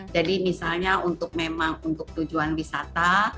jadi misalnya untuk memang untuk tujuan wisata